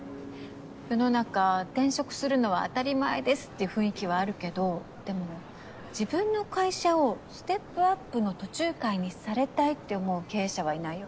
世の中転職するのは当たり前ですって雰囲気はあるけどでも自分の会社をステップアップの途中階にされたいって思う経営者はいないよ。